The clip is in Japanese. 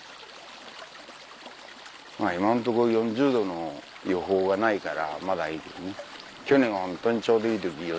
今のところ４０℃の予報がないからまだいいけどね。